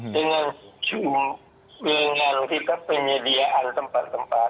dengan jumlah penyediaan tempat tempat tidur tempat tempat rumah